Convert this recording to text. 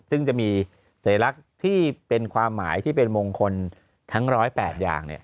ซึ่งจะมีสัญลักษณ์ที่เป็นความหมายที่เป็นมงคลทั้ง๑๐๘อย่าง